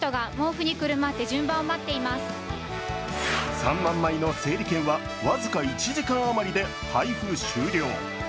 ３万枚の整理券は僅か１時間あまりで配布終了。